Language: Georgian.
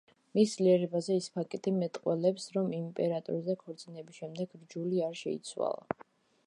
მის ძლიერებაზე ის ფაქტი მეტყველებს, რომ იმპერატორზე ქორწინების შემდეგ რჯული არ შეიცვალა.